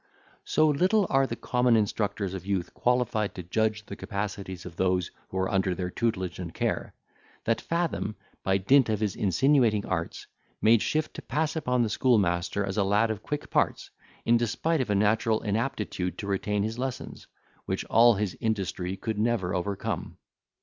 So little are the common instructors of youth qualified to judge the capacities of those who are under their tutelage and care, that Fathom, by dint of his insinuating arts, made shift to pass upon the schoolmaster as a lad of quick parts, in despite of a natural inaptitude to retain his lessons, which all his industry could never overcome.